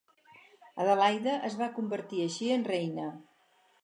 Adelaida es va convertir així en reina.